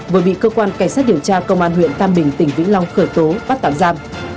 vừa bị cơ quan cảnh sát điều tra công an huyện tam bình tỉnh vĩnh long khởi tố bắt tạm giam